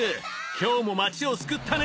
今日も町を救ったね！